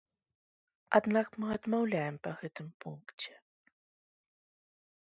Аднак мы адмаўляем па гэтым пункце.